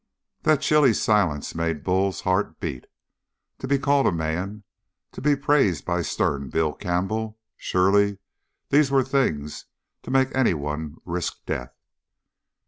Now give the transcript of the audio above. That chilly little silence made Bull's heart beat. To be called a man, to be praised by stern Bill Campbell surely these were things to make anyone risk death!